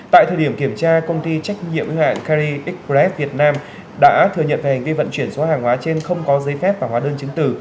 tại thời điểm kiểm tra công ty trách nhiệm hữu hạn cari expres việt nam đã thừa nhận hành vi vận chuyển số hàng hóa trên không có giấy phép và hóa đơn chứng từ